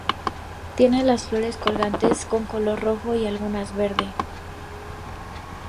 Tiene las flores colgantes con color rojo y algunas verde.